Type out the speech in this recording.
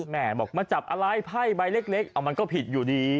แม่บอกมาจับอะไรไพ่ใบเล็กเอามันก็ผิดอยู่ดี